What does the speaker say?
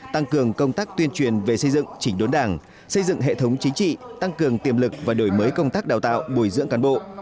tăng cường công tác tuyên truyền về xây dựng chỉnh đốn đảng xây dựng hệ thống chính trị tăng cường tiềm lực và đổi mới công tác đào tạo bồi dưỡng cán bộ